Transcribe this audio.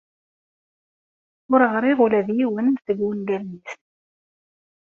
Ur ɣṛiɣ ula d yiwen seg ungalen-is.